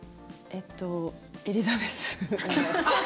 えっとエリザベス。